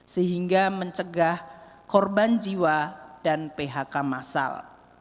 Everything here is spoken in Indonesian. sehingga mencegah korban jiwa dan phk masal